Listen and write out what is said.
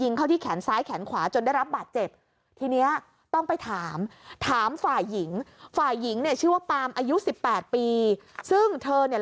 ยิงเข้าที่แขนซ้ายแขนขวาจนได้รับบาดเจ็บทีนี้ต้องไปถามถามฝ่ายหญิง